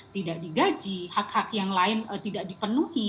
tidak digaji hak hak yang lain tidak dipenuhi